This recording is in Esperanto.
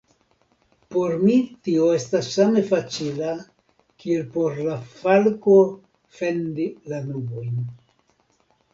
Por mi tio estas same facila kiel por la falko fendi la nubojn.